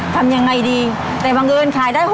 ทำยังไงดีแต่บังเอิญขายได้๖๐